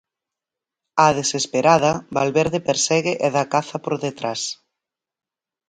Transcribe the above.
Á desesperada, Valverde persegue e da caza por detrás.